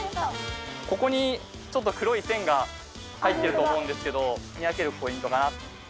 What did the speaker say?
ここにちょっと黒い線が入っていると思うんですけど見分けるポイントかな